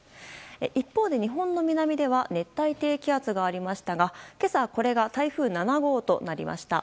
一方で、日本の南では熱帯低気圧がありましたが今朝、これが台風７号となりました。